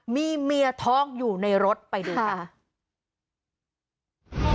มีเมียท้องอยู่ในรถไปดูค่ะ